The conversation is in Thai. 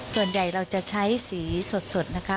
ส่วนใหญ่เราจะใช้สีสดนะคะ